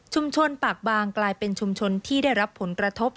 ปากบางกลายเป็นชุมชนที่ได้รับผลกระทบ